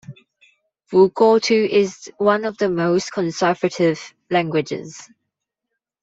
Bugotu is one of the most conservative languages.